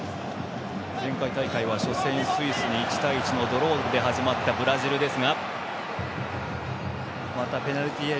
前回大会は初戦、スイスに１対１のドローで始まったブラジルです。